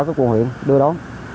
các bệnh viện đưa đón